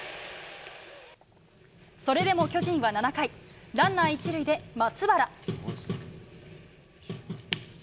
それでも巨人は７回ランナー１塁で松原。